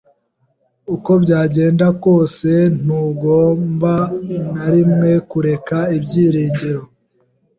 Uko byagenda kose, ntugomba na rimwe kureka ibyiringiro.